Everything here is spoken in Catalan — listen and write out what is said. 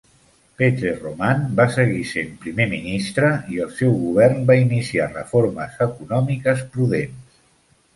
Petre Roman va seguir sent primer ministre, i el seu govern va iniciar reformes econòmiques prudents.